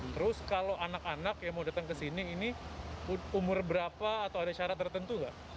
terus kalau anak anak yang mau datang ke sini ini umur berapa atau ada syarat tertentu nggak